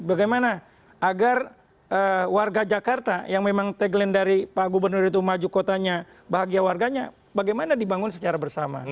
bagaimana agar warga jakarta yang memang tagline dari pak gubernur itu maju kotanya bahagia warganya bagaimana dibangun secara bersama